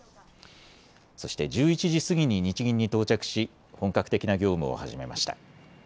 そして１１時過ぎに日銀に到着し本格的な業務を始めました。